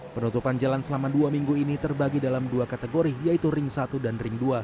penutupan jalan selama dua minggu ini terbagi dalam dua kategori yaitu ring satu dan ring dua